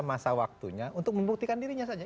masa waktunya untuk membuktikan dirinya saja